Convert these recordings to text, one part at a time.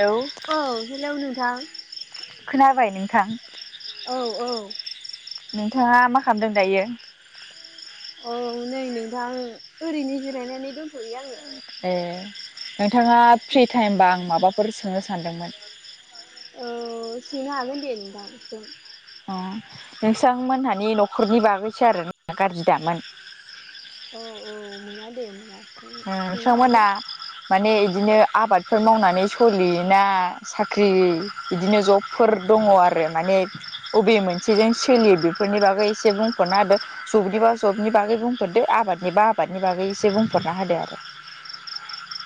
Hello औ hello नोंथां। खोनाबाय नोंथां? औ औ नोंथाङा मा खालामदों दायो? औ नै नोंथां ओरैनो जिरायनानै दंथ'यो आङो। ए नोंथाङा फ्रि टाइमबा आं माबाफोर सोंनो सानदोंमोन। औ सोंनो हागोन दे नोंथां सों अ नोंसां मोनहानि न'खरनि बागैसो आरोना गाज्रि दामोन। औ औ मोना दे मोना। ओ सोंनो हागोन सांमोना माने इ दिनो आबादफोर मावनानै सलियो ना साख्रि बिदिनो जबफोर दङ आर रो माने अबे मोनसेजों सोलियो बेफोरनि बागै एसे बुंफोरना होदो जबनिबा जबनि बागै बुंफोरदो आबादनि बा आबादनि बागै एसे बुंफोरना होदो आरो।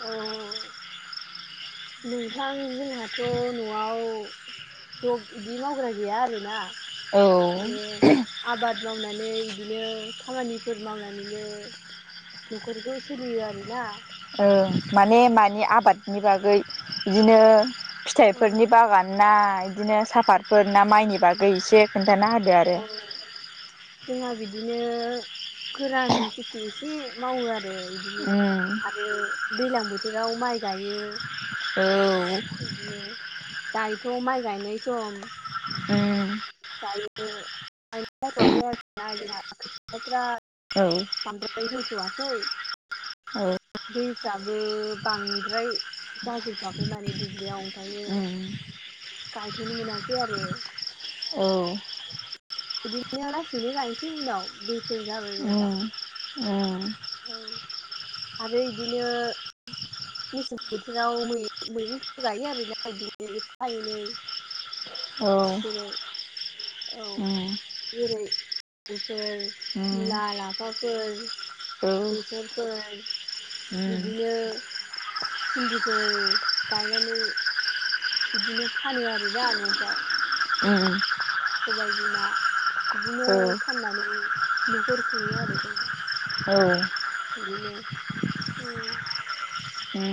औ। नोंथां जोंहाथ' न'आव जब इदि मावग्रा गैया आरोना। औ माने आबाद मावनानै इदिनो खामानि फोर मावनानैनो न'खरखौ सोलियो आरोना। ओं माने मानि आबादनि बागै इदिनो फिथाइफोरनि बागान ना इदिनो साफतफोर ना माइनि बागै एसे खोन औ जोंहा बिदिनो गोरान खेथि ए से मावो आरो इदिनो आरो दैलां बोथोराव माइ गायो बिदिनो दायोथ' माइ गायनाय सम। उम। दायो गायनाय जाथ'वाखै आरोना जोंहा खोथियाफ्रा उम बांद्राय जौथ'वाखै औ। दैफ्राबो बांद्राय जाजोबथ'वाखै माने दुब्लियाव ओमफायो उम गायथ'नो मोनाखै आरो। [unintelligible] [unintelligible] लासैनो गायसै उनाव दैफोर जाबाय बायबा। उम उम। औ आरो इदिनो मेसें बोथोराव मै-मैगं मैगंफोर गायो आरोना बिदिनो एफा एनै औ उम औ उम जेरै औ जेरै- बेफोर मुला लाफाफोर बेसरफोर बिदिनो भिन्दिफोर गायनानै बिदिनो फानो आरोना न'फ्राव। सबाय बिमा बिदिनो औ फाननानै न'खर खुङो आरो जोंहा। औ। बिदिनो उम उम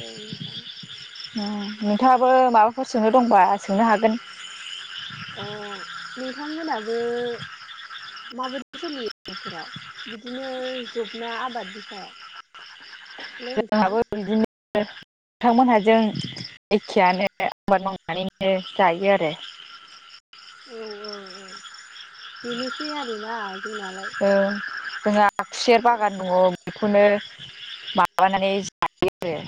औ नोंथां उम नोंथाङाबो माबाफोर सोंनो दंबा सोंनो हागोन। अ नोंथांमोनाबो माबोरै सोलियो न'खराव बिदिनो जबना आबादनि सायाव‌। हेलौ नोंथां [unintelligible] नोंथांमोनहाजों एखेयानो आबाद मावनानैनो जायो आरो। औ-औ-औ बेनोसै आरोना जोंनालाय। ओ जोंहा खुसेर बागान दङ बेखौनो माबानानै जायो आरो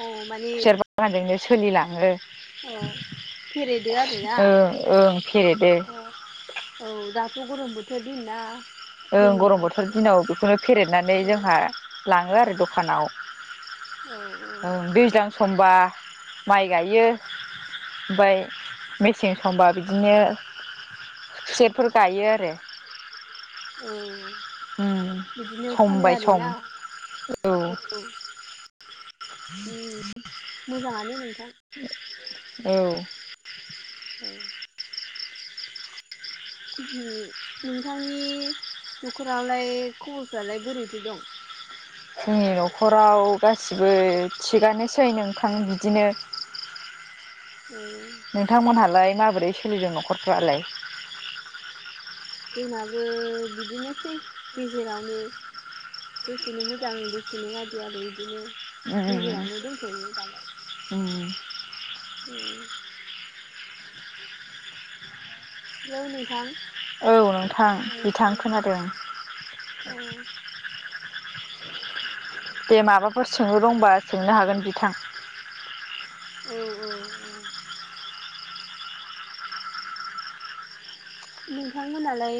औ माने खुसेर बागानजोंनो सोलिलाङो औ फेरेदो आरोना ओं ओं फेरेदो। अ औ दाथ' गरम बोथोर दिन ना ओं गरम बोथोरनि दिनाव बेखौनो फेरेदनानै औ जोंहा लाङो आरो द'खानाव। औ ओं दैज्लां समबा माइ गायो। ओमफ्राय मेसें समंबा बिदिनो खुसेरफोर गायो आरो। औ। उम बिदिनो सम फानो बाय सम आरोना औ। उम मोजाङानो नोंथां। औ। औ नोंथांनि न'खरावलाय खबरफ्रालाय बोरैथो दं? जोंनि न'खराव गासिबो थिगानोसै नोंथां बिदिनो। [unintelligible] नोंथांमोनहालाय माबोरै सोलिदों न'खरफ्रालाय। जोंनाबो बिदिनोसै गेजेरावनो। दसेनो मोजां दसेनो गाज्रि आरो बिदिनो उम गेजेरावनो दंथ'यो। उम। ए। हेलौ नोंथां। औ नोंथां औ बिथां खोनादों। औ दे माबाफोर सोंलु दंबा सोंनो हागोन बिथां। औ-औ-औ। नोंथांमोनालाय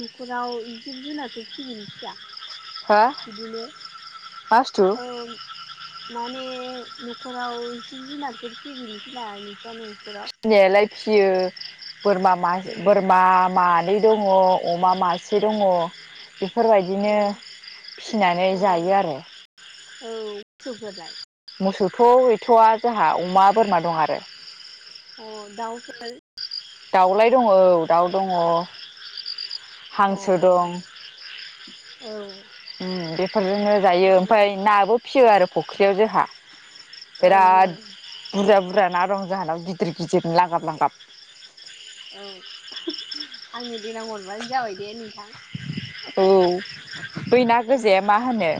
न'खराव जिब-जुनारखौ फिसिगोना फिया? हो मा बिदिनो बुस्थु औ। माने न'खराव जिब- जुनारफोर फिगोना - फिला नोंसानो फिसिनायालाय फिसियो बोरा औ बोरमा म ‌ ब्रै दङ अमा मासे दङ। औ बेफोरबायदिनो फिनानै जायो आरो। मोसौफोरलाइ थ' गैथ'आ जोंहा अमा बोरमा दं आरो। अ दाउफोर। दाउलाय दङ औ दाउ दङ। अ हांसो दं। औ उम बेफोरजोंनो जायो ओमफ्राय मोजां नाबो फियो आरो फुख्रियाव जोंहा। ओं बिराद ओं बुरजा बुर जा ना दं जोंहानाव गिदिर-गिदिर लांगाब- लांगाब। औ आंनो दिनां हरबानो जाबाय दे नोंथां। औ बै ना औ गोजाया मा होनो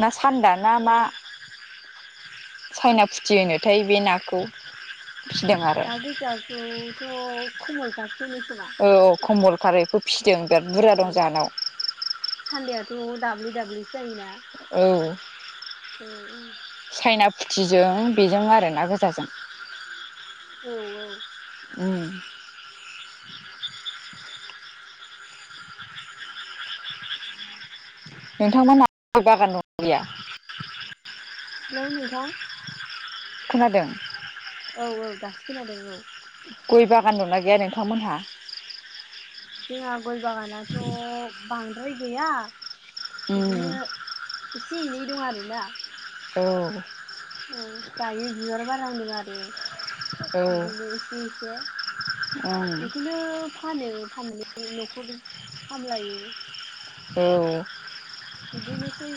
ना सान्दा ना अ मा? सायना फुथि होनोथाय बे नाखौ। फिदों आरो दा गोजाखौथ' खमल औ-औ कम्बलखाथ एखौ फिसिदों बिराद बुरजा औ दं जोंहानाव। दाब्लिस जायोना। औ। औ-औ। जों बेजों आरो ना गोजाजों औ औ उम [unintelligible] नोंथांमोनहा बागान दंना गैया हेल' नोंथां। खोनादों औ-औ दासो खोनादों औ। गय बागान दंना गैया नोंथांमोनहा जोंहा गय बागानाथ' बांद्राय गैया उम बिदिनो एसे-एनै दं आरोना औ औ दायो बिबार बारहांदों आरो औ बिदिनो एसे-एसे ओं बेखौनो फानो फाननानै न'खर सामलायो औ बिदिनोसै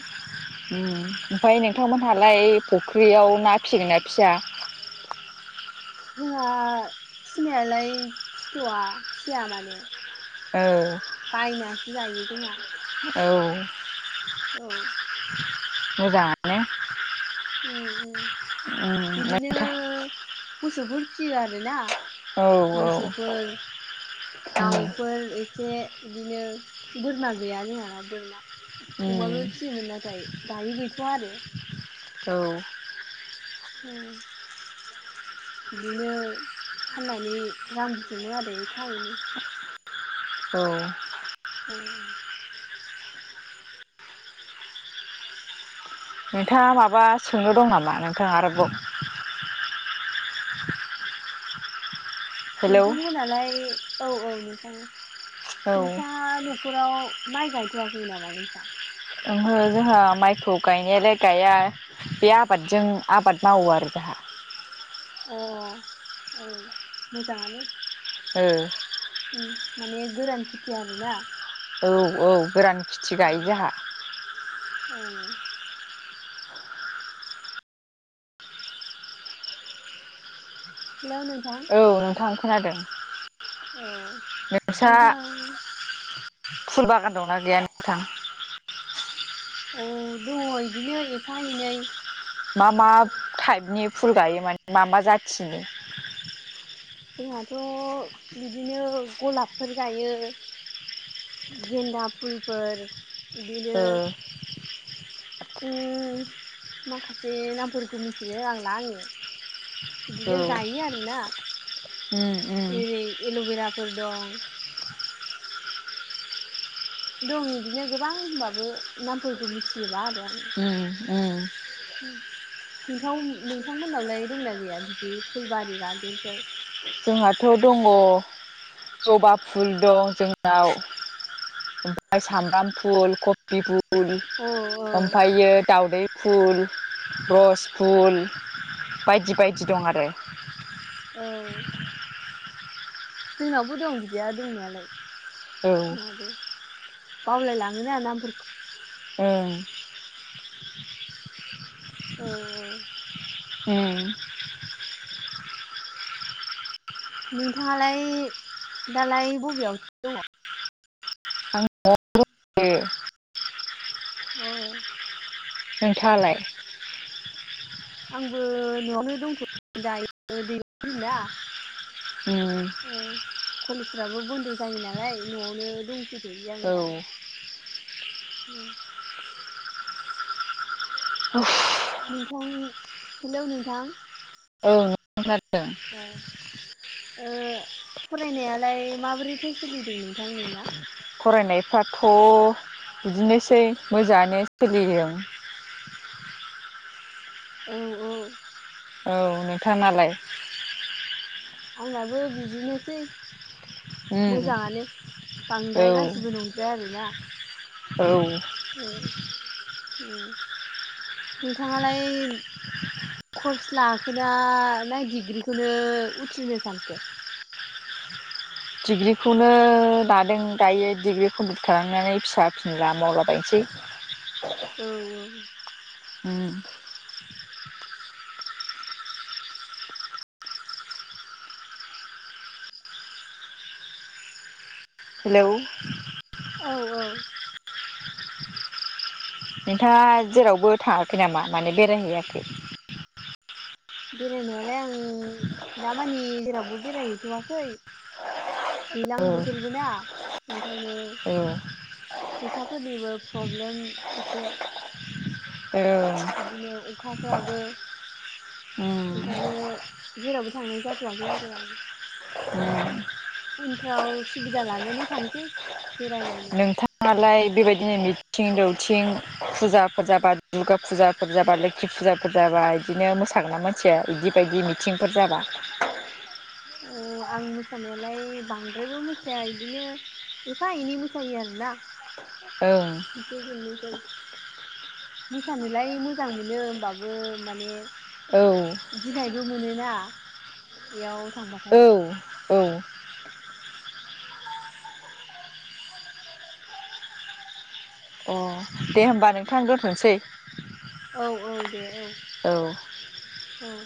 उम ओमफ्राय नोंथांमोनहालाय फुख्रियाव ना फिसिगोन ना फिया जोंहा फिसिनायालाय फिसिथ'आ फिसिया माने औ बायनानैसो जायो जोंहा औ औ मोजाङानो उम-उम उम बिदिनो नोंथां मोसौफोर फिसियो आरोना औ औ मोसौफोर उम दाउफोर ए एसे बिदिनो बोरमा गैया जोंहाना बोरमा उम अमाबो फिसियोमोन नाथाय दायो गैथ'वा आरो औ औ बिदिनो फाननानै रां बुथुमो आरो एफा एनै औ नोंथाङा माबा सोंनो दं नामा नोंथाङा आरोबाव हेलौ औ नोंथांमोनालाय औ-औ नोंथां नोंथाङा न'खराव माइ गायथ'वाखै नामा नोंसा ओहो जोंहा माइखौ गायनायालाय गाया बे आबादजों आबाद मावो आरो जोंहा अ औ मोजाङानो ओ माने गोरान खेथि आरोना औ-औ गोरान खेथि गायो जाहा उम हेलौ नोंथां औ नोंथां खोनादों। औ नोंस्रा नोंथां फुल बागान दंना गैयानोथां औ दङ इदिनो एफा एनै मा-मा टाइपनि फुल गायो माने मा-मा जाथिनि जोंहाथ' बिदिनो गलाबफोर गायो गेन्दा फुलफोर बिदिनो ओ उम माखासे नामफोरखौ मिथिलाय लांला आङो औ बिदिनो गायो आरो ना उम उम जेरै एल'बेराफोर दं। दं इदिनो गोबां होनबाबो नामफोरखौ मिथिजोबा आरो आं उम-उम नोंथां नोंथांमोननावलाय दंना गैया बिदि फुलबारि गार्देनफोर जोंहाथ' दङ जबा फुल दं जोंनाव ओमफ्राय सामब्राम फुल कबि फुल औ ओमफ्रायो दावदै फुल रस फुल बायदि-बायदि दं आरो औ [unintelligible] जोंनावबो दं बिदिया दंनायालाय औ माबे बावलाय लाङोलै आं नामफोरखौ ओं औ [unintelligible] नोंथाङालाय दालाय बबेयावथो दङ आं [unintelligible] औ। नोंथाङालाय? आंबो न'वावनो दंथ' [inaudible] दायो [inaudible] उम [inaudible] औ कलेजफ्राबो बन्द' जायो नालाय न'वावनो दंफैथ'यो आं औ दायो [inaudible] नोंथां हेलौ नोंथां ओ [inaudible] ओ [unintelligible] फरायनायालाय माबोरैथो सोलिदों नोंथां नोंना फरायनाय फ्राथ' बिदिनोसै मोजाङानो सोलिदों [inaudible] औ औ औ नोंथांनालाय? आंनाबो बिदिनोसै। उम मोजाङानो बांद्राय गाज्रिबो औ नंद्राया आरोना औ [inaudible] नोंथाङालाय कर्स लाखोना ना डिग्रिखौनो उथ्रिना थाखो डिग्रिखौनो लादों दायो डिग्रि कमप्लिट खालामनानै फिसा फिसौ मावलाबाययनोसै [unintelligible] औ। उम [inaudible] हेलौ औ औ नोंथाङा जेरावबो थाङाखै नामा माने बेरायहैयाखै बेरायनायालाय आं दामानि जेरावबो बेरायहैथ'वाखै दैलां औ बोथोरबोना ओंखायनो औ [inaudible] फैसाफोरनिबो प्रब्लेम एसे औ बिदिनो अखाफोराबो उम ओंखायनो जेरावबो थांनाय जाथ'वाखै आरो आं उम उनफ्राव सुबिदा लानानै थांसै बेरायबायनो नोंथाङालाय बेबायदिनो मिथिं दौथिं थिं फुजाफोर जाबा दुर्गा फुजाफोर जाबा लोखि फुजाफोर जाबा इदिनो मोसागोनना मोसाया [inaudible] इदि बायदि मिथिंफोर जाबा औ आं मोसानाया [inaudible] बांद्रायबो मोसाया इदिनो एफा एनै मोसायो आरोना ओं [unintelligible] मोसानोलाय मोजां मोनो होनोमबाबो माने औ गिनायबो मोनोना बेयाव औ थांबाथाय औ। अ दे होमबा नोंथां दोनथ'सै। औ औ दे औ औ औ।